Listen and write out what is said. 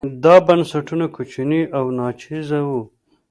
دا بنسټونه کوچني او ناچیزه وو.